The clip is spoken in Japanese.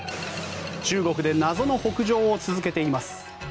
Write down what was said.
中国で謎の北上を続けています。